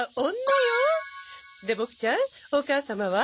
でボクちゃんお母様は？